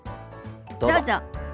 どうぞ。